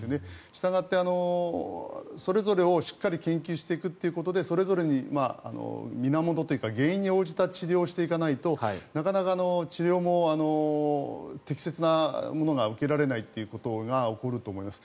したがって、それぞれをしっかり研究していくということでそれぞれに源というか原因に応じた治療法をしていかないとなかなか治療も適切なものが受けられないということが起こると思います。